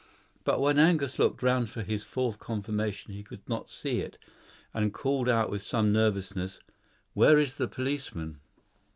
But when Angus looked round for his fourth confirmation he could not see it, and called out with some nervousness, "Where is the policeman?"